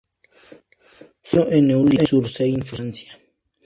Falleció en Neuilly-sur-Seine, Francia.